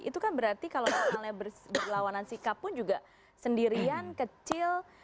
itu kan berarti kalau misalnya berlawanan sikap pun juga sendirian kecil